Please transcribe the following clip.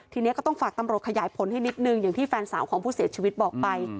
ทีนี้ก็ต้องฝากตำรวจขยายผลให้นิดนึงอย่างที่แฟนสาวของผู้เสียชีวิตบอกไป